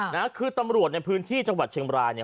นะคือตำรวจในพื้นที่จังหวัดเชียงบรายเนี่ย